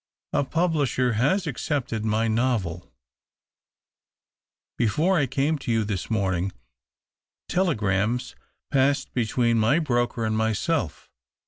A publisher has accepted my novel Before I came to you this morning, telegrams passed between my broker and myself.